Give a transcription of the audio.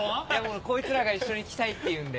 こいつらが一緒に来たいって言うんで。